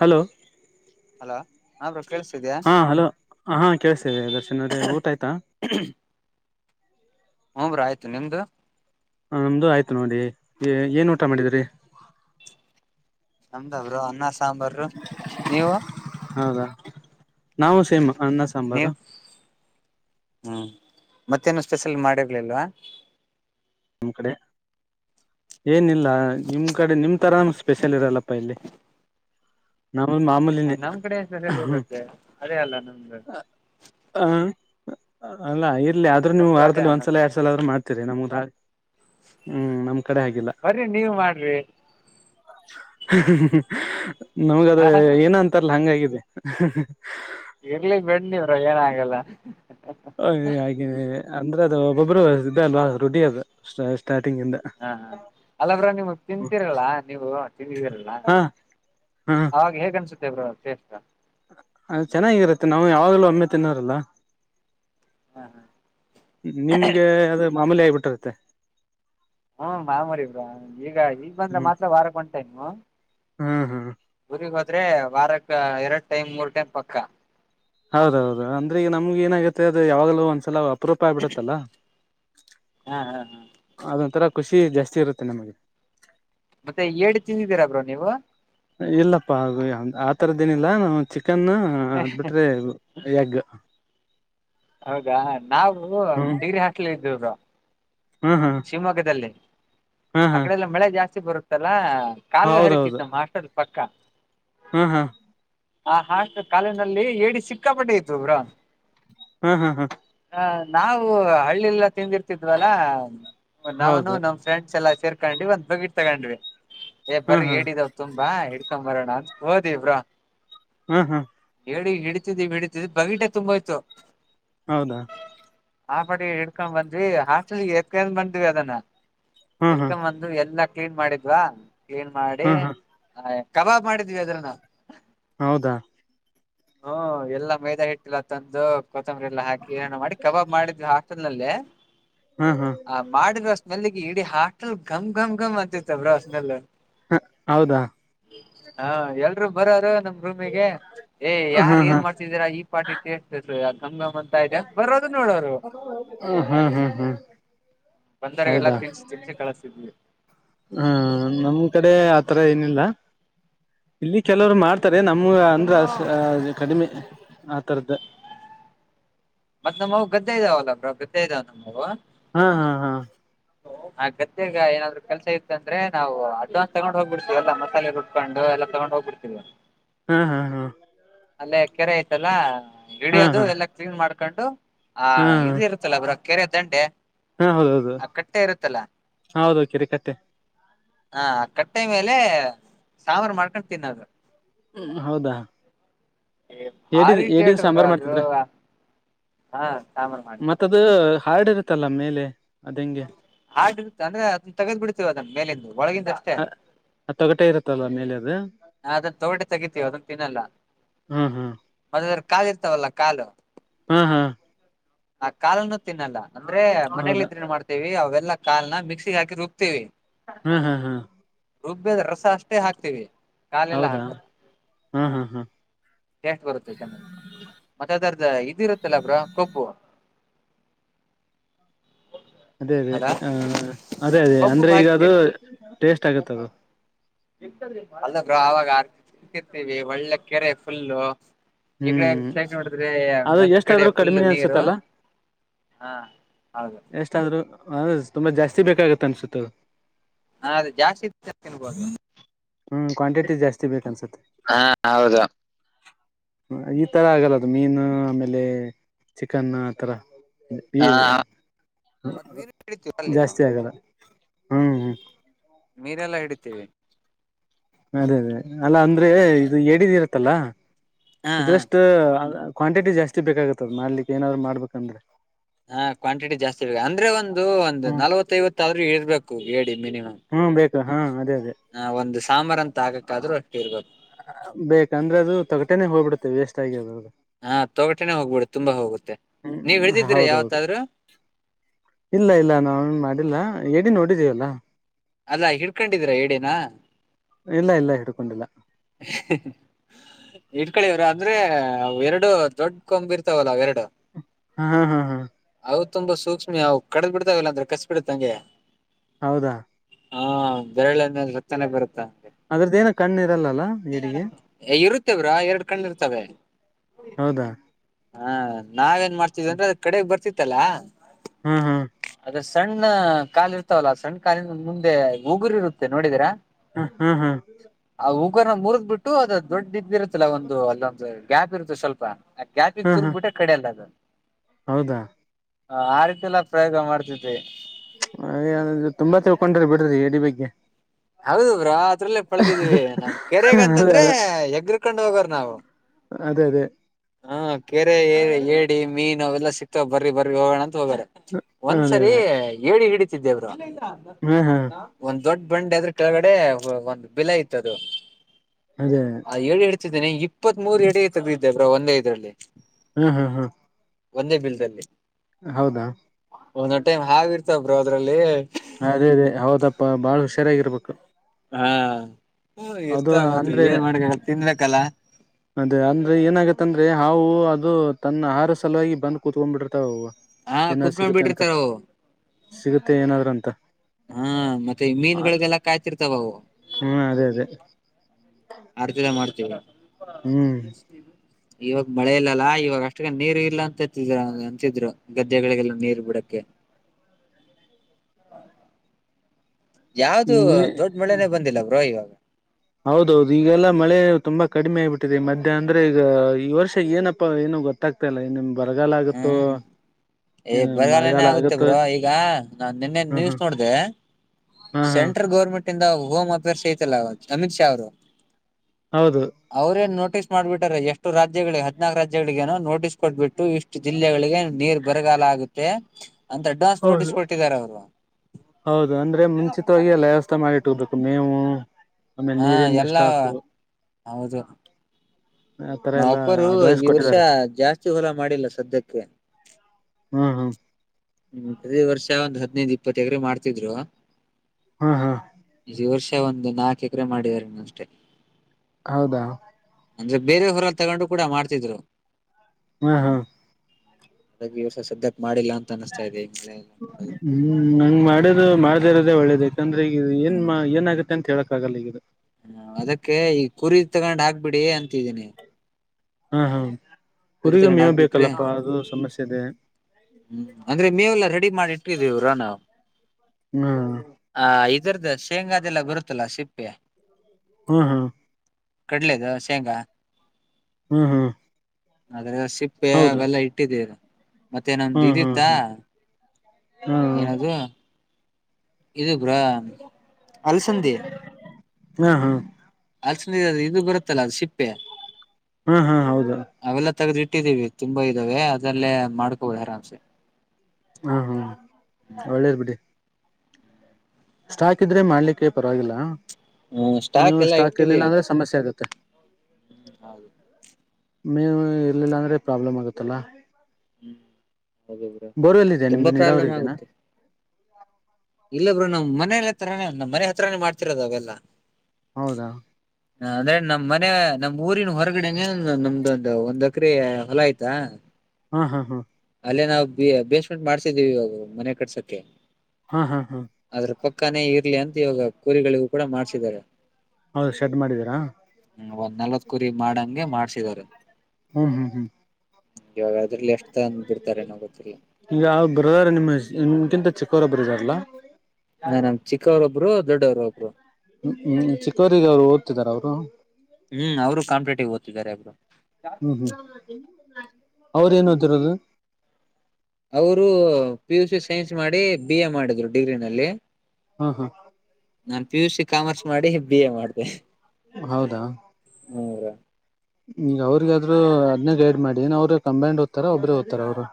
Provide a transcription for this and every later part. hello hello ಅವರು ಕಳ್ಸಿದ್ಯಾ ಹಾ ಹಲೋ ಹಾ ಕೇಳಿಸ್ತಿದೆ ದರ್ಶನ್ ಅವ್ರೆ ಊಟ ಆಯ್ತಾ ಹಬ್ರ ಆಯ್ತು ನಿಮ್ದು ಹ ನಮ್ದು ಆಯ್ತು ನೋಡಿ ಏನ್ ಊಟ ಮಾಡಿದ್ರಿ ನಮ್ದವರು ಅನ್ನ ಸಾಂಬಾರರು ನೀವು ಹೌದಾ ನಾವು ಸೇಮ್ ಅನ್ನ ಸಾಂಬಾರು ನೀವು ಹ್ಮ್ ಮತ್ತೇನು ಸ್ಪೆಷಲ್ ಮಾಡಿರ್ಲಿಲ್ವಾ ನಮ್ಮ ಕಡೆ ಏನಿಲ್ಲ ನಿಮ್ ಕಡೆ ನಿಮ್ ತರಾನು ಸ್ಪೆಷಲ್ ಇರಲ್ಲಪ್ಪ ಇಲ್ಲಿ ನಾ ನಮ್ ಕಡೆ ಸರಿಯಲ್ಲಿ ಇರುತ್ತೆ ಅದೇ ಅಲ್ಲ ನಮ್ದು ಹ ಅಲ್ಲ ಇರ್ಲಿ ಆದ್ರೂ ನೀವು ನಮ್ದು ಅದೇ ವಾರದಲ್ಲಿ ಅನ್ನ ಒಂದ್ಸಲ ಎರಡ್ ಸಾಂಬಾರ್ ಸಲ ಆದ್ರರು ಮಾಡ್ತೀರಿ ನಮದ ಹ್ಮ್ ನಮ್ ಕಡೆ ಹಗಿಲ್ಲ ಬರ್ರಿ ನೀವ್ ಮಾಡ್ರಿ ನಮ್ಗದ ಏನ ಅಂತಾರಲ್ಲ ಹಂಗಾಗಿದೆ ಇರ್ಲಿ ಬೆಣನವ್ರ ಏನಾಗಲ್ಲ ಹ ಹಾಗ ಅಂದ್ರೆ ಅದು ಒಬ್ಬೊಬ್ರು ಇದ ಅಲ್ವಾ ರುಡಿಿ ಅದು ಅಷ್ಟಷ್ಟ ಹಾ ಹಾ ಅಲಬ್ರ ನಿಮ್ಗ್ ತಿಂತೀರಲ್ಲ ನೀವು ತಿಂದಿದಿರಲ್ಲ ಹಾ ಹಾ ಆಾಗ ಹೇಗ ಅನ್ಸುತ್ತೆ ಬ್ರ ಟೇಸ್ ಅ ಚೆನ್ನಾಗಿರತ್ತೆ ನಾವು ಯಾವಾಗಲೂ ಒಮ್ಮೆ ತಿನ್ನೋರಲ್ಲ ನಿಮ್ಗೆ ಅದು ಮಾಮೂಲಿ ಆಗ್ಬಿಟ್ಟಿರುತ್ತೆ ಹ್ಮ ಮಾಮರಿಬ್ರಾ ಈಗ ಈಗ ಬಂದ್ರೆ ಮಾತ್ರ ವಾರಕ್ಕೆ ಹೊಂಟಾ ನೀ ಹಾ ಹಾ ಊರಿಗ್ ಹೋದ್ರೆ ವಾರಕ್ಕ ಎರಡ್ ಟೈಮ್ ಮೂರ್ ಟೈಮ್ ಪಕ್ಕ ಹೌದೌದು ಅಂದ್ರೆಗ ನಮ್ಗೆ ಏನಾಗುತ್ತೆ ಅದು ಯಾವಾಗಲೂ ಒಂದ್ಸಲ ಪ್ರೂಪಾಯ ಬಿಿಡತ್ತಲ್ಲ ಹ ಹ ಅದೊಂಂತರ ಖುಷಿ ಜಾಸ್ತಿ ಇರುತ್ತೆ ನಮಗೆ ಮತ್ತೆ ಏಡ್ ತಿಂದಿದ್ದೀರಾ ಬ್ರರು ನೀವು ಇಲ್ಲಪ್ಪಾ ಹಾಗು ಆ ತರದ್ದೇನಿಲ್ಲಾ ನಾವು ಚಿಕ್ಕ ಚಿಕನ್ ಅ್ ಬಿಿಟ್ರೆ ಯಗ್ ಹೌದಾ ನಾವು ಹ್ಮ್ ಡಿಗ್ರಿ ಹಾಕ್ಲ ಇದವರು ಹ್ಮ್ ಹ್ಮ್ ಶಿವಮೊಗ್ಗದಲ್ಲಿ ಹ್ಮ್ ಆ ಹ್ಮ್ ಕಡೆಲ್ಲ ಮಳೆ ಜಾಸ್ತಿ ಬರುತ್ತಲ್ಲ ಕಾಲ್ಗೆ ಹೌದೌದು ಹರಿತಿತ್ತು ನ ಮಾಸ್ಟರ್ ಪಕ್ಕ ಹ್ಮ್ ಹ್ಮ ಹ ಹಾತ ಕಾಲಿನಲ್ಲಿ ಏಡಿ ಸಿಕ್ಕಾಪಟ್ಟೆ ಇತ್ತು್ರ ಹ್ಮ್ ಹ್ಮ್ ಹ್ಮ್ ನಾವು ಹಳ್ಳಿಲ್ಲಾ ತಿಂದಿರ್ತಿದ್ವಲ್ಲ ನಾವನು ಹೌದು ನಮ್ ಫ್ರೆಂಡ್ಸ್ ಎಲ್ಲ ಸೇರ್ಕೊಂಡ್ವಿ ಒಂದ್ ಬಗಿಟ್ ತಗೊಂಡ್ವಿ ಏ ಹ್ಮ್ ಬರ್ರರಿ ಹ್ಮ್ ಹೇಳಿದಾವ್ ತುಂಬಾ ಚಕ್ಕ ಮರಣ ಅಂತ ಹೋದಿ ಇವ್ರಾ ಹ್ಮ್ ಹ್ಮ್ ಹೇಳಿ ಹಿಡಿತಿದಿ ಹಿಡಿತಿದ್ ಬಗೀಟ ತುಂಬ ಆಯ್ತು ಹೌದಾ ಆ ಪಟ್ಟಿಗೆ ಹಿಡ್ಕೊಂಡ್ ಬಂದ್ವಿ ಹಾಸ್ಟೆಲ್ಗೆ ಎತ್ಕೊಂಡ್ ಬಂದ್ವಿ ಅದನ್ನ ಹ್ಮ್ ಎತ್ಕೊಂಡ್ ಹ್ಮ್ ಬಂದ್ವಿ ಎಲ್ಲ ಕ್ಲೀನ್ ಮಾಡಿದ್ವಾ ಕ್ಲೀನ್ ಮಾಡಿ ಹ್ಮ್ ಹ್ಮ್ ಕಬಾಬ್ ಮಾಡಿದ್ವಿ ಅದ್ರ ನಾವು ಹೌದಾ ಹ್ಮ ಎಲ್ಲಾ ಮೈದಾ ಇಟ್ಟಿಲ್ಲ ತಂದು ಕೊತ್ತಂಬರಿ ಕಿರಣ ಮಾಡಿ ಕಬಾಬ್ ಮಾಡಿದ್ವಿ ಹಾಸ್ಟೆಲ್ ನಲ್ಲ ಹ್ಮ್ ಹ್ಮ್ ಆ ಮಾಡಿದ್ ಸ್ಮೆಲ್ ಇಡೀ ಹಾಟಲ್ ಗಂ ಗಮ್ ಗಮ್ ಅಂತಿತ್ತು ಬ್ರೋ ಸ್ಮೈಲ್ ಹೌದಾ ಹ ಬರೋರು ನಮ್ ರೂಮಿಗೆ ಏ್ ಹ್ಮ್ ಯಾರು ಹ್ಮ್ ಏನ್ ಮಾಡ್ತಿದೀರಾ ಈ ಪಾರ್ಟಿ ಟೇಸ್ಟ್ ಗಂ ಗಮ್ ಅಂತ ಇದ್ದ ಬರೋದು ನೋಡೋರು ಹ್ಮ್ ಹ್ಮ್ ಹ್ಮ್ ಬಂದರ್ಗೆಎಲ್ಲಾ ತಿನ್ಸಿ ತಿನ್ಸಿ ಕಳಸ್ಿದ್ವಿ ಹಾ ನಮ್ ಕಡೆ ಆತರ ಏನಿಲ್ಲ ಇಲ್ಲಿ ಕೆಲವರು ಮಾಡ್ತಾರೆ ನಮ್ ಅಂದ್ರ ಕಡಿಮೆ ಆತರದ್ದ [unintelligible] ನಮ್ಮವು ಗದ್ದ ಇದಾವಲ್ಲ ಬ್ರೋ ಗದ್ದೆ ಇದ್ದಾವ ನಮ್ಮವು ಹಾ ಹಾ ಹಾ ಗತ್ತಾಗ ಏನಾದ್ರು ಕೆಲಸ ಇತ್ತುಂದ್ರೆ ನಾವು ಅಡ್ವಾನ್ಸ್ ತಗೊಂಡ್ ಹೋಗ್ಬಿಡ್ತೀವಿ ಎಲ್ಲಾ ಮಸಾಲೆ ರೂಬ್ಕೊಂಡು ಎಲ್ಲ ತಗೊಂಡ ಹೋಗ್ಬಡ್ೀವಿ ಹ್ಮ್ ಹಾ ಹಾ ಅಲ್ಲೇ ಕೆರೆ ಐತಲ್ಲ ಹಾ ಹಿಡಿಯೋದು ಹಾ ಎಲ್ಲ ಕ್ಲೀನ್ ಮಾಡ್ಕೊಂಡು ಹ ಹಾ ಹಾ ಇದು ಇರುತ್ತಲ್ಲ ಬ್ರೋ ಕೆರೆ ದಂಡೆ ಹಾ ಹೌದೌದು ಅ ಕಟ್ಟೆ ಇರುತ್ತಲ ಕೆರೆ ಕಟ್ಟೆ ಹಾ ಕಟ್ಟೆ ಮೇಲೆ ಸಾಂಬಾರು ಮಾಡ್ಕೊಂಡು ತಿನ್ನೋದು ಹ್ಮ ಹೌದಾ ಎಡಿದ್ ಭಾರಿ ಎಡಿದ್ ಟೇಸ್ಟ್ ಬ್ರೋ ಸಾಂಬಾರ್ು ಅದು ಮಾಡ್ತಿದ್ರ ಹಾ ಸಾಂಬಾರ್ ಮಾಡಿ ಮತ್ತದು ಹಾರ್ಡಿರುತ್ತಲ್ಲ ಮೇಲೆ ಅದೆ ಹೆಂಗೆ ಹಾರ್ಡಿರುತ್ತ ಅದು ತಗ್ ಬಿಡ್ತವ ಅದು ಮೇಲೆಂದು ಹ ತೊಗಟೆ ಇರುತ್ತಲ್ವಾ ಮೇಲೆ ಅದು ಹ ಅದನ್ನ ತೊಗೊಟೆ ತೆಗತಿವಿ ಅದನ್ ತಿನ್ನಲ್ಲ ಹ್ಮ್ ಹ್ಮ್ ಮ [unintelligible] ಕಾಲ್ ಇರ್ತವಲ್ಲ ಕಾಲು ಹ್ಮ್ ಹ್ಮ್ ಆ ಕಾಲನು ತಿನ್ನಲ್ಲ ಅಂದ್ರೆ ಮನೇಲಿ ಹೌದಾ ಇದ್ರೇನ್ ಮಾಡ್ತೇವಿ ಅವೆಲ್ಲ ಎಲ್ಲ ಕಾಲ್ನ ಮಿಕ್ಸಿ ಹಾಕಿ ರುಬ್ಕ್ತೀವಿ ಹ್ಮ್ ಹ್ಮ್ ಹ್ಮ್ ರುಬ್ಬದ ರಸ ಅಷ್ಟೇ ಹಾಕ್ತಿೀವಿ ಕಾಲೆಲ್ಲ ಹೌದಾ ಹಾಕಲ್ಲ ಹ್ಮ್ ಹಾ ಹ್ಮ್ ಹ್ಮ್ ಸ್ಟ್ ಬರುತ್ತೆ ಚೆನ್ನಗಿ ಮತ್ತ ಅದರ್್ದ ಇದಿರುತ್ತಲ್ಲ ಬ್ರೋ ಕೊಬ್ಬು [unintelligible] ಅದೇ ಅದೇ ಅಲ್ಲಾ ಅದೇ ಅದೇ ಕೊಬ್ಬು ಅಂದ್ರೆ ಈಗ ಭಾರಿ ಅದು ಟೇಸ್ಟ್ ಟೇಸ್ಟ್ ಆಗತ್ತ ಅದು ಅಲ್ಲ ಬ್ರೋ ಆವಾಗ ಆ [unintelligible] ತಿರ್ತೀವಿ ಒಳ್ಳೆ ಕೆರೆ ಫುಲ್ಲು ಈಗಡೆ ಹ್ಮ್ [unintelligible] ಸ ನೋಡಿದ್ರೆ ಅದು ಒಂದ್ ಕಡೆ ಎಷ್ಟಾದ್ರೂ ಫುಲ್ ಕಡಿಮೆ ನೀರು ಅನ್ಸುತ್ತಲ್ಲ ಹಾ ಹೌದು ಹ ತುಂಬಾ ಜಾಸ್ತಿ ಬೇಕಾಗತ್ತೆ ಅನ್ಸುತ್ತೆ ಅದು ಹಾ ಅದ ಜಾಸ್ತಿ ಇ ತಿನ್ಬೋದು [unintelligible] ಹ್ಮ್ ಕ್ವಾಟಿಾಸ್ತಿ ಬೇಕ ಅನ್ಸರ್ [unintelligible] ಹಾ ಹೌದು ಈ ತರ ಆಗಲ್ಲ ಅದು ಮೀನು ಆಮೇಲೆ ಚಿಕನ್ ಆತರ ಈ ಹಾ ಮತ್ ಮೀನ್ ಹಿಡಿತೀವಿ ಅಲ್ಲಿ ನಾವು ಜಾಸ್ತಿ ಆಗಲ್ಲ ಹ್ಮ್ ಹ್ಮ್ ನೀರೆಲ್ಲಾ ಹಿಡಿತೇವಿ ಅದೇ ಅದೇ ಅಲ್ಲ ಅಂದ್ರೆ ಇದು ಎಡಿದ್ ಇರತ್ತಲ್ಲ ಹಾ ಹಾ ಇದ್ರಷ್ಟ ಕ್ವಾಂಟಿಟಿ ಜಾಸ್ತಿ ಬೇಕಾಗತ್ತ ಅದು ಮಾಡ್ಲಿಕ್ಕೆ ಏನಾದ್ರು ಮಾಡ್ಬೇಕಂದ್ರೆ ಹಾ ಕ್ವಾಂಟಿಟಿ ಜಾಸ್ತಿ ಇರ್ಬೇಕು ಅಂದ್ರೆ ಒಂದು ಒಂದು ಹ್ಮ್ ನಲವತ್ತ ಐವತ್ತ ಆದ್ರೂ ಇರ್ಬೇಕು ಎನ [unintelligible] ಹ್ಮ್ ಬೇಕು ಹಾ ಅಂತ ಆಗಕ್ಕಾದ್ರೂ ಅಷ್ಟು ಇರ್ಬೇಕು ಬೇಕಂದ್ರೆ ಅದು ತೊಗಟೇನೆ ಹೋಗ್ಬಿಡ್ತ ಮ ವೇಸ್ ಆಗದ ಹಾ ತೊಗಟೆನನೆ ಹೋಗ್ಬಿಡು ತುಂಬಾ ಹೋಗುತ್ತೆ ನೀವ್ ಹ್ಮ್ ಹಿಡಿದಿದ್ದೀರಾ ಹೌದೌದು ಯಾವತ್ತಾದ್ರೂ ಇಲ್ಲ ಇಲ್ಲ ನಾವ ಮಾಡಿಲ್ಲ ಹೇಳ ನೋಡಿದೀವಲ್ಲ ಅಲ್ಲಾ ಹಿಡ್ಕೊಂಡಿದೀರಾ ಹೇಳಏಡೇನಾ ಇಲ್ಲ ಇಲ್ಲ ಹಿಡ್ಕೊಂಡಿಲ್ಲ ಇಟ್ಕಳೆಯವರು ಅಂದ್ರೆ ಎರಡು ದೊಡ್ ಕೊಂಬಿ ಇರ್ತಾವಲ್ಲ ಎರಡು ಹ ಹಾ ಹಾ ಹಾ ತುಂಬಾ ಸೂಕ್ಷ್ಮಿಾವವು ಕಡದ್ ಬಿಡ್ತಾವಲ್ಲ ಅಂದ್ರೆ ಕಸಿ ಬಿಡತ್ತಂಗೆ ಹೌದಾ ಹಾ ಬೆರಳದೇಲೆ ಬತನ ಬರುತ್ತೆ ಅದ್ರದ್ದ ಏನ ಕಣ್ಣು ಇರಲ್ಲಲ್ಲ ಎಡಿಗೆ ಇರುತ್ತೇವ್ರಾ ಎರಡು ಕಣ ಇರ್ತವೆ ಹೌದಾ ಹಾ ನಾವೇಏನ್ ಮಾಡ್ತಿದವಿ ಅಂದ್ರೆ ಅದ್ ಕಡೆಗ್ ಬರ್ತಿತ್ತಲ್ಲಾ ಹ್ಮ್ ಹ್ಮ್ ಅ್ರೆ ಸಣ್ಣ ಕಾಲ್ ಇರ್ತವಲ್ಲ ಸಣ್ಣ ಕಾಲಿಂದ ಮುಂದೆ ಉಗುರು ಇರುತ್ತೆ ನೋಡಿದೀರಾ ಹ್ಮ್ ಹ್ಮ್ ಹ್ಮ್ ಉಗನ ಮುರಿದ್ ಬಿಟ್ಟು ಅದು ದೊಡ್ಡ ಇದ್ವಿರುತ್ತಲ್ಲ ಒಂದು ಅಲ್ಲೊಂದು ಗ್ಯಾಪ್ ಇರುತ್ತೆ ಸ್ವಲ್ಪ ಆ ಗ್ಯಾಕತಿಗ್ ಹ್ಮ್ ಚುರ್ಗ್ ಹ್ಮ್ ಬಿಟ್ಟೆ ಕಡ ಅಲ್ಲ ಅದು ಹೌದಾ ಹ ಆ ರೀತಿ ಎಲ್ಲಾ ಪ್ರಯೋಗ ಮಾಡ್ತವಿ ಅದ ತುಂಬಾ ತಿಳ್ಕೊಂಡ್ರ ಬಿಡ್ರಿ ಎಡಿ ಬಗ್ಗೆ ಹೌದು ಬ್ರಾ ಅದರಲ್ಲೇ ಪಳಗಿದೀವಿ ನಮ್ ಕೆರೆಗ ಅದೇ ಅಂತಂದ್ರೆ ಎಗ್್ರಕೊಂಡ್ ಹೋಗರ್ ನಾವು ಅದೇ ಅದೇ ಹಾ ಕೆರೆಏ ಏಡಿ ಮೀನು ಅವೆಲ್ಲಾ ಸಿಕ್ತಾವ ಬರ್ರಿ ಬರ್ರಿ ಹೋಗೋಣಂತ ಹೋಗ ಅದೇ ಒಂದ್ಸರಿ ಏಿ ಹಿಡಿತಿದ್ದೆವರು ಹ್ಮ ಹಾ ದೊಡ್ಡ ಬಂಡೆ ಆದ್ರ ಕೆಳಗಡೆ ಒಂದು್ ಬೆಲ ಇತದು ಅದೇ ಇಪ್ಪತ್ತ್ ಮೂರು ಎಡೆಗೆ ತೆಗೆದಿದ್ದೆ ಬ್ರಾ ಒಂದೇ ಐದರಲ್ಲಿ ಹ್ಮ್ ಹ್ಮ್ ಹ್ಮ ಒಂದೇ ಬಿಲ್ದಲ್ಲಿ ಹೌದಾ ಒಂದೊಂದ್ ಟೈಮ್ ಹಿ ಇರ್ತಬ್ರರು ಅದ್ರಲ್ಲಿ ಅದೇ ಅದೇ ಹೌದಪ್ಪ ಬಾಳ ಹುಷಾರಾಗಿರ್ಬೇಕು ಹಾ ಹ್ಮ ಅದು ಇರ್ತ ಆಗತ್ ಅಂದ್ರೆ ಏನ್ ಮಾಡ್ಬೇಕ ತಿನ್ಬೇಕಲ್ಲ ಅದೇ ಅಂದ್ರೆ ಏನಾಗತ್ತಂದ್ರೆ ಹಾವು ಅದು ತನ್ನ ಆಹಾರ ಸಲುವಾಗಿ ಬಂದ ಕುೂತ್ಕೊಂಡ್ ಬಿಿಡ್ರ್ತಾವವು ಹಾ ಕುೂತ್ಕೊಂಡ್ ಬಿಟ್ಟಿರ್ತಾರ ಸಿಗುತ್ತೆ ಏನಾದ್ರೂ ಅಂತ ಹಾ ಮತ್ತೆ ಆ ಮೀನ್ಗಳಿಗೆಲ್ಲಾ ಕಾಯ್ತಿರ್ತಾವ ಅವು ಹ್ಮ್ ಅದೇ ಅದೇ ಅಡ್ತರ ಮಾಡ್ತೀವರ ಹ್ಮ್ ಇವಾಗ ಮಳೆ ಇಲ್ಲಲ್ಲಾ ಇವಾಗ ಅಷ್ಟ ನೀರು ಇಲ್ಲ ಅಂತಿದ್ರ ಅಂತಿದ್ರು ಗದ್ದೆಗಳಿಗೆಲ್ಲ ನೀರ್ ಬಿಡಕ್ಕೆ ಹ್ಮ್ ಹ್ಮ್ಹ್ಮ್ ಯಾವವು್ದು ದೊಡ್ಡ ಮಳೆನೆ ಬಂದಿಲ್ಲ ಬ್ರೋ ಇವಾಗ ಹೌದೌದು ಈಗೆಲ್ಲಾ ಮಳೆ ತುಂಬಾ ಕಡಿಮೆ ಆಗ್ಿಬಿಟ್ಟಿದೆ ಮಧ್ಯಾಹ ಅಂದ್ರೆ ಈಗ ಈ ವರ್ಷ ಏನಪ್ಪಾ ಏನು ಗೊತ್ತಾಗ್ತಾ ಇಲ್ಲ ಇ ನಿಮ್ ಬರಗಾಲ ಆಗುತ್ತೋ ಹ್ಮ್ ಏ ಏನು ಬರಗಾಲನೆೇ ಮಳೆಗಾಲ ಆಗುತ್ತೆ ಆಗುತ್ತೋ ಬ್ರೋ ಈಗ ನಾ ನಿನ್ನೆ ಹ್ಮ್ ಹ್ಮ್ ನೀನ್ವ್ಸ್ ನೋಡ್ದ ಹಾ ಹಾ ಸೆಂಟ್ರಲ್ ಗೌರ್ಮೆಂಟ್ ಇಂದ ಹೋಮ್ ಅಫೇರ್ಸ್ ಐತಿಲ್ಲ ಅಮಿತ್ ಶಾ ಅವರು ಹೌದು ಅವ್ರೇನ್ ನೋ ನೋಟಿಸ್ ಮಾಡ್ಬಿಟ್ಟಾರೆ ಎಷ್ಟು ರಾಜ್ಯಗಳಿಗೆ ಹದಿನಾಕು ರಾಜ್ಯಗಳಿಗೆನನು ನೋಟಿಸ್ ಕೊಟ್ಬಿಟ್ಟು ಇಷ್ಟು ಜಿಲ್ಲೆಗಳಿಗೆ ನೀರ್ ಬರಗಾಲ ಆಗುತ್ತೆ ಅಂತ ಅಡ್ವಾನ್ಸ್ ನೋಟಿಸ್ ಹೌದು ಕೊಟ್ಟಿದ್ದಾರೆ ಅವರು ಹೌದು ಅಂದ್ರೆ ಮುಂಚಿತವಾಗಿ ಎಲ್ಲ ವ್ಯವಸ್ಥೆ ಮಾಡಿ ಇಟ್ಟ ಹೋಗ್ಬೇಕು ಮೇವು ಆಮೇಲೆ ಹಾ ನೀರಿಂದ ಎಲ್ಲಾ ಸ್ಟಾಕ್ ಹೌದು ಆತರ ನಾವ ಎಲ್ಲಾ ಒಬ್ಬರು ಅಡ್ವೈಸ್ ಈ ವರ್ಷ ಕೊಟ್ಟಿದ್ದಾರೆ ಜಾಸ್ತಿ ಹೊಲ ಮಾಡಿಲ್ಲ ಸದ್ಯಕ್ಕೆ ಹ್ಮ್ ಹ್ಮ್ ಹ್ಮ್ ಪ್ರತಿ ವರ್ಷ ಒಂದ್ ಹದ್ನೈದು್ ಇಪ್ಪತ್ತ ಎಕ್ರೆ ಮಾಡ್ತಿದ್ರು ಹಾ ಹಾ ಅಷ್ಟೆ ಒಂದು ನಾಲ್ಕು ಎಕರೆ ಮಾಡಿದ್ದಾರೆ ಅಷ್ಟೆ ಹೌದಾ ಅಂದ್ರೆ ಬೇರೆ ಹೊರಲ್ಲಿ ತಗೊಂಡು ಕೂಡ ಮಾಡ್ತಿದ್ರು ಹ್ಮ ಹಾ ಅದಿವಸ ಸದ್ಯ ಹ್ಮ್ ನಂಗ್ ಮಾಡದು ಮಾಡದಿ ಇರೋದೇ ಒಳ್ಳೇದು ಯಾಂದ್ರೆ ಈಗ ಏನ್ ಹ್ಮ್ ಏನಾಗತ್ತೆ ಅಂತ ಹೇಳಕ್ ಆಗಲ್ಲ ಈಗದು ಕುರಿದ ತಗೊಂಡ್ ಹಾಕ್ಬಿಡಿ ಅಂತಿದ್ದೀನಿ ಹಾ ಹಾ ಹುರಿಗ ಮೇವ ಹಾಕ್ಬಿಟ್ರೆ ಬೇಕಲ್ಲಪ್ಪಾ ಅದು ಸಮಸ್ಯೆ ಇದೆ ಹ್ಮ್ ಅಂದ್ರೆ ಮೇವೆಲ್ಲ ರೆಡಿ ಮಾಡಿ ಇಟ್ಟಿದೇವ್ರ ನಾವು ಹ್ಮ ಇದರದ ಶೇಂಗ ಅದೆಲ್ಲ ಬರುತ್ತಲ್ಲಾ ಸಿಪ್ಪೆ ಹ್ಮ ಹಾ ಕಡಲೆದು ಶೇಂಗಾ ಹ್ಮ್ ಹ್ಮ್ ಆದ್ರೆ ಸಿಪ್ಪೆ ಹೌದು ಅವೆಲ್ಲಾ ಇಟ್ಟಿದ್ದೀರ ಮತ್ತೆ ಹ್ಮ್ ಹ್ಮ್ ನಮ್ದ್ದಿದಿತ್ತಾ ಹ್ಮ್ ಏನದ ಇದು ಪುರಾ ಅಲ್ಸಂದಿ ಹಾ ಹಾ ಅಲ್ಸ ಇದು ಬರುತ್ತಲ್ಲ ಅದು ಶಿಪ್ಪೆ ಹಾ ಹಾ ಹೌದು ತಗ್ದಿ ಇಟ್ಟಿದೀವಿ ತುಂಬಾ ಇದಾವೆ ಅದಲ್ಲೇ ಮಾಡ್ಕೋಬುದು ಆರಾಮ್ಸೆ ಹ್ಮ ಹ್ಮ್ ಒಳ್ಳೇದ ಬಿಿಡಿ ಸ್ಟಾಕ್ ಇದ್ರೆ ಮಾಡ್ಲಿಕ್ಕೆ ಪರವಾಗಿಲ್ಲ ನೀವು ಸ್ಟಾಕ್ ಇರ್ಲಿಲ್ಲ ಅಂದ್ರೆ ಸಮಸ್ಯೆ ಆಗತ್ತೆ ಹ್ಮ್ ಹಾಗೌದು ಮೀನು ಇರ್ಲಿಲ್ಲ ಅಂದ್ರೆ ಪ್ರಾಬ್ಲಮ್ ಆಗತ್ತಲ್ಲ ಹ್ಮ್ ಹೌದು್ರ ಇದೆಯಾ ತುಂಬಾ ನಿಮ್ದು ನೀರಾವರಿ ಪ್ರಾಬ್ಲಮ್ ಇದೆನಾ ಆಗುತ್ತೆ ಇಲ್ಲ ಬ್ರೂ ನಮ್ ಮನಲ್ಲ ಹ ತರಾನೇಮ್ಮ ಮನೆ ಹತ್ರಾನೇ ಮಾಡ್ತಿರೋದು ಅವೆಲ್ಲ ಹೌದಾ ಹ ಅಂದ್ರೆ ನಮ್ ಮನ ನಮ್ ಊರಿನ ಹೊರಗಡೆ ನಮ್ದ ಒಂದು ಒಂದ್ ಏಕ್ರೆ ಹೊಲ ಆಯ್ತಾ ಹಾ ಹಾ ಹಾ ಅಲ್ಲೇ ನಾವು ಬೇಸ್ಮಿಬ್ಟ್ ಮಾಡ್ಸಿದ್ದೀವಿ ಇವಾಗ ಮನೆ ಕಟ್ಸಕ್ಕೆ ಹ ಹ ಹ ಅದ್ರ ಪಕ್ಕಾನೇ ಇರ್ಲಿ ಅಂತ ಇವಾಗ ಕುರಿಗಳಿಗೂ ಕೂಡ ಮಾಡ್ಸಿದ್ದಾರೆ ಹೌದು ಶೆಡ್ ಮಾಡಿದ್ದೀರಾ ಹ ಒಂದ್ ನಲ್ವತ್ ಕುರಿ ಮಾಡಂಗೆ ಮಾಡ್ಸಿದರೆ ಹ್ಮ್ ಹ್ಮ್ ಹ್ಮ್ ಗೊತ್ತಿಲ್ಲ ಈಗ ಯಾವಾಗ ಬ್ರದರ್ ನಿಮ್ಮ ನಿಮಿಂತ ಚಿಕ್ಕ [unintelligible] ಇದರಲ್ಲ ಹ ನಮ್ ಚಿಕ್ಕವ್ರೊಬ್ರು ದೊಡ್ಡವ್ರ ಒಬ್ರು ಹ್ಮ ಹ್ಮ್ ಚಿಕ್ಕವರಿಗೆ ಅವ್ರು ಓದ್ತಿದಾರ ಅವರು ಹ್ಮ್ ಅವರು ಕಾಂಪ್ಲೇಟಿವ್ ಓದತಿದಿದ್ದಾರೆ ಬ್ರೋ ಹ್ಮ್ ಹ್ಮ್ ಅವ್ರೇನ್ ಓದಿರೋದು ಅವರು ಪಿ ಯು ಸಿ ಸೈನ್ಸ್ ಮಾಡಿ ಬಿ ಎ ಮಾಡಿದ್ರು ಡಿಗ್ರಿನಲ್ಲಿ ಹ ಹ ನಾನ್ ಪಿ ಯು ಸಿ ಕಾಮರ್ಸ್ ಮಾಡಿ ಬಿ ಎ ಮಾಡಿದೆ ಹೌದಾ [unintelligible] ಈಗ ಅವ್ರಗ ಆದ್ರು ಅದ್ನೇ ಗೈಡ್ ಮಾಡಿ ಏನ ಅವ್ರ ಕಂಬೈಂಡ್ ಓದ್ತಾರ ಒಬ್ರೇ ಓದ್ತಾರ ಅವ್ರು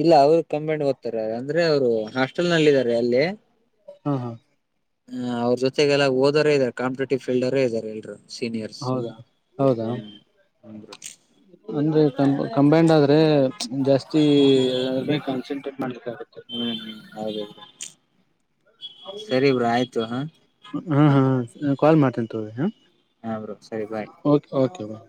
ಇಲ್ಲ ಅವ್ರ ಕಾಂಬಿನೆಡ್ ಓದ್ತಾರೆ ಅಂದ್ರೆ ಅವ್ರು ಹಾಸ್ಟೆಲ್ ನಲ್ಲಿ ಇದಾರೆ ಅಲ್ಲಿೇ ಹಾ ಹಾ ಹ ಅವ್ರ ಜೊತೆಗೆಲ್ಲ ಓದೋರ ಇದಾರೆ ಕಾಂಪಟೇಟಿವ್ ಫಲ್ಡರೇ ಇದಾರೆ ಎಲ್ರು [unintelligible] ಇಯರ್ಸ್ ಹೌದಾ ಹೌದಾ ಹ [unintelligible] ಅಂದ್ರೆ ಕಂಬೈಂಡ್ ಆದ್ರೆ ಜಾಸ್ತಿ ಕಾನ್ಸಂಟ್ರೇಟ್ ಮಾಡ್ಲಿಕ್ಕೆ ಆಗುತ್ತೆ ಹ್ಮ್ ಹ್ಮ್ ಹೌದೌ ಸರಿ ಬ್ರೋ ಆಯ್ತು ಹ ಹಾ ಹಾ ಕಾಲ್ ಮಾಡ್ತೀನ ತಗಿ ಹಾಂ ಸರಿ ಬಾಯ್ ಓಕೆ ಓಕೆ ಬಾಯ್